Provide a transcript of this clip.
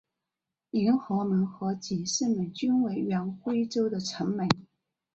迎和门和景圣门均为原归州的城门。